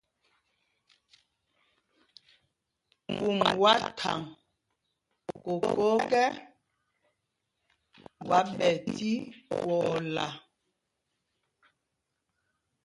Pûm wá thaŋ kokō ekɛ, wá ɓɛ tí kwɔɔla.